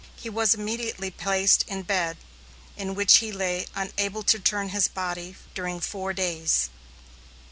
He was immediately placed in bed, in which he lay unable to turn his body during four days.